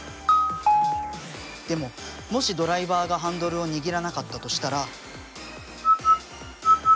でももしドライバーがハンドルを握らなかったとしたら。